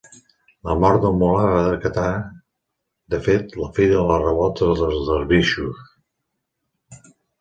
La mort del mul·là va decretar de fet, la fi de la revolta dels dervixos.